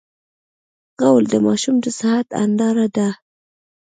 غول د ماشوم د صحت هنداره ده.